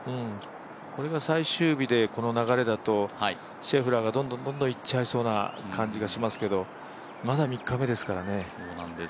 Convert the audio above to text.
これが最終日でこの流れだとシェフラーがどんどんいっちゃいそうな感じがしますけどまだ３日目ですからね。